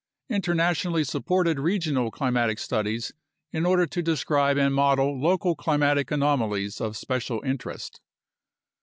Internationally supported regional climatic studies in order to describe and model local climatic anomalies of special interest.